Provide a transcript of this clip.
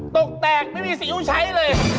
ตกแตกไม่มีซีอิ๊วใช้เลย